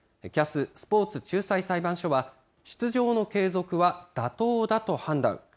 ＣＡＳ・スポーツ仲裁裁判所は、出場の継続は妥当だと判断。